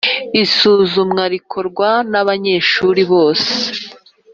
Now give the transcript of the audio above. isuzumwa rikorwa n’abanyeshuri bose